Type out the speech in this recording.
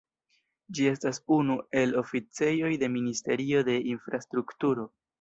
Ĝi estas unu el oficejoj de ministerio de infrastrukturo.